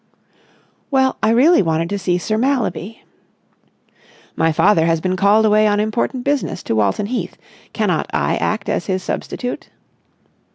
"Well, I really wanted to see Sir Mallaby." "My father has been called away on important business to Walton Heath. Cannot I act as his substitute?"